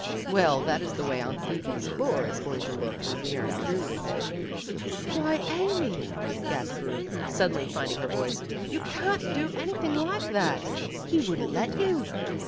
"Well, that is the way Aunt Phoebe's floor is going to look when we are through with it." "Why, Amy," gasped Ruth, suddenly finding her voice. "You can't do anything like that. He wouldn't let you."